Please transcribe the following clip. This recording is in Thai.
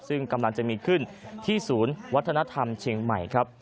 ซึ่งกำลังจะมีขึ้นที่ศูนย์วัฒนธรรมเชียงใหม่ครับ